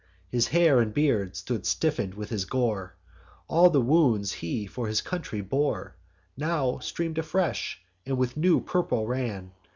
His hair and beard stood stiffen'd with his gore; And all the wounds he for his country bore Now stream'd afresh, and with new purple ran.